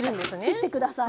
切って下さい。